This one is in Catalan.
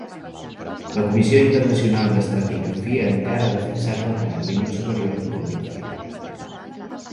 La Comissió Internacional d'Estratigrafia encara ha de fixar-ne tant el límit superior com l'inferior.